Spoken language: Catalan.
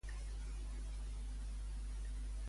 A l'estat de Chihuahua hi ha el municipi Juárez.